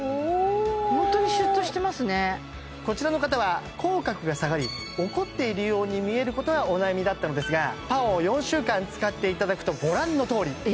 ホントにシュッとしてますねこちらの方は口角が下がり怒っているように見えることがお悩みだったのですがＰＡＯを４週間使っていただくとご覧のとおりえ！